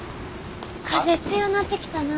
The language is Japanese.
風強なってきたな。